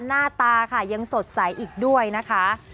หน้าตาค่ะยังสดใสอีกด้วยนะคะ